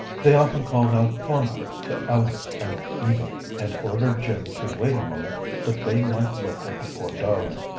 They often called out fondly to Ellen and Eva, and ordered Jim to wait a moment that they might look at the poor darling.